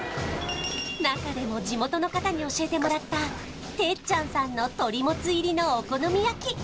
中でも地元の方に教えてもらったてっちゃんさんの鳥もつ入りのお好み焼き